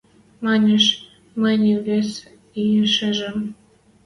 Манеш, мӹньӹ вес и шӹжӹм